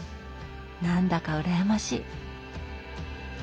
何だか羨ましい。